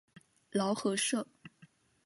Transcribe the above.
劳合社。